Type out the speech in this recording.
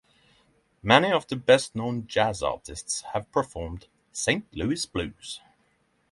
Many of the best-known jazz artists have performed "Saint Louis Blues".